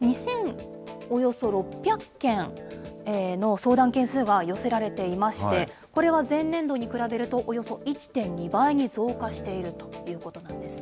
およそ６００件の相談件数が寄せられていまして、これは前年度に比べるとおよそ１．２倍に増加しているということなんです。